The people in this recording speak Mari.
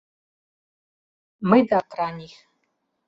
— Мый да Краних.